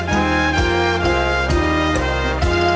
ร้องแพร่เก่งนี่เทียบเท่ากับว่าข้ามเลยน่ะ